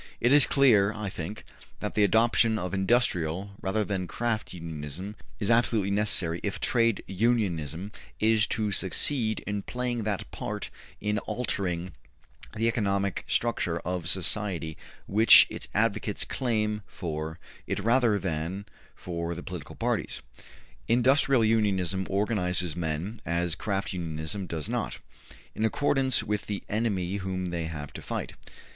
It is clear, I think, that the adoption of industrial rather than craft unionism is absolutely necessary if Trade Unionism is to succeed in playing that part in altering the economic structure of society which its advocates claim for it rather than for the political parties. Industrial unionism organizes men, as craft unionism does not, in accordance with the enemy whom they have to fight.